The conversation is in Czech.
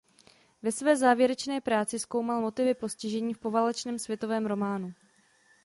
Ve své závěrečné práci zkoumal Motivy postižení v poválečném světovém románu.